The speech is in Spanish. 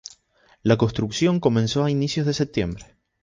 La construcción comenzó a inicios de septiembre.